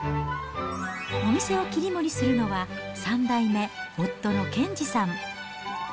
お店を切り盛りするのは、３代目、夫のけんじさん。